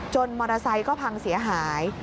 มอเตอร์ไซค์ก็พังเสียหาย